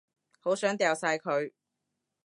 好想掉晒佢